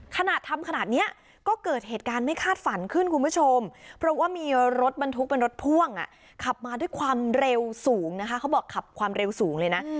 ขนาดทำขนาดนี้ก็เกิดเหตุการณ์ไม่คาดฝันขึ้นคุณผู้ชมเพราะว่ามีรถบรรทุกเป็นรถพ่วงขับมาด้วยความเร็วสูงนะคะเขาบอกขับความเร็วสูงเลยนะ